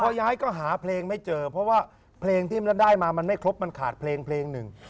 พอย้ายก็หาเพลงไม่เจอเพราะว่าเพลงที่มันได้มามันไม่ครบมันขาดเพลงเพลงหนึ่ง